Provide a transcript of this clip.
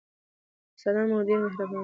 استادان مو ډېر مهربان دي.